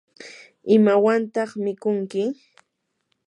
¿imawantaq mikunki?